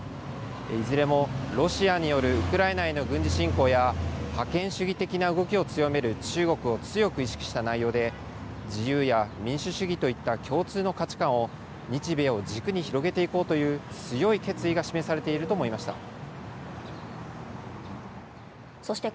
いずれもロシアによるウクライナへの軍事侵攻や、覇権主義的な動きを強める中国を強く意識した内容で、自由や民主主義といった共通の価値観を、日米を軸に広げていこうという強い決意が示されていると思いましそして